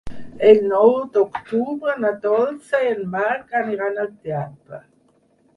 El nou d'octubre na Dolça i en Marc aniran al teatre.